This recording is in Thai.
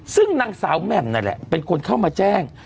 ซึ่งนางสาวแหม่มนั่นแหละเป็นคนเข้ามาแจ้ง